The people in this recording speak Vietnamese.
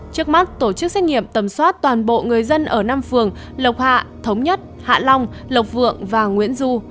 trước mắt tổ chức xét nghiệm tầm soát toàn bộ người dân ở năm phường lộc hạ thống nhất hạ long lộc vượng và nguyễn du